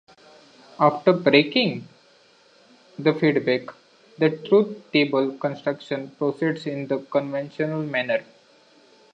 After "breaking" the feed-back, the truth table construction proceeds in the conventional manner.